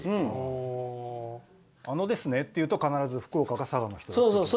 あのですねっていうと必ず福岡か佐賀の人ってことですか。